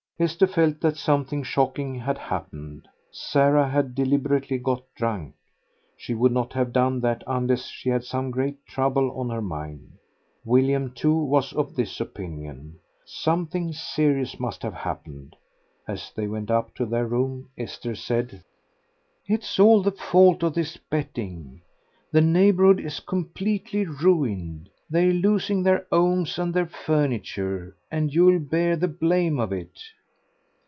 Esther felt that something shocking had happened. Sarah had deliberately got drunk. She would not have done that unless she had some great trouble on her mind. William, too, was of this opinion. Something serious must have happened. As they went up to their room Esther said "It is all the fault of this betting. The neighbourhood is completely ruined. They're losing their 'omes and their furniture, and you'll bear the blame of it."